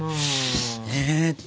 えっと。